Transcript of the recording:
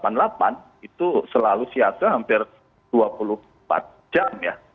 misalnya densus delapan puluh delapan itu selalu siasa hampir dua puluh empat jam ya